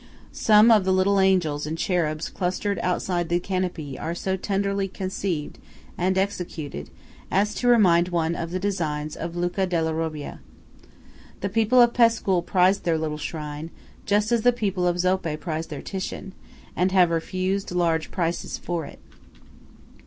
Some of the little angels and cherubs clustered outside the canopy are so tenderly conceived and executed as to remind one of the designs of Luca della Robbia. The people of Pescul prize their little shrine, just as the people of Zoppé prize their Titian, and have refused large prices for it.